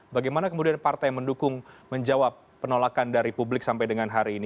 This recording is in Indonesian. bagaimana kemudian partai mendukung menjawab penolakan dari publik sampai dengan hari ini